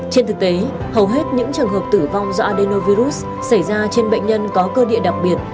trên thực tế hầu hết những trường hợp tử vong do adenovirus xảy ra trên bệnh nhân có cơ địa đặc biệt